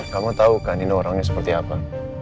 kamu tahu kan ini orangnya seperti apa